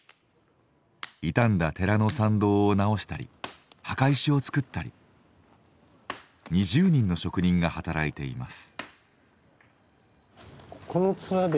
傷んだ寺の参道を直したり墓石を作ったり２０人の職人が働いています。